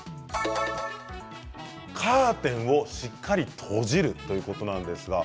カーテンをしっかり閉じるということです。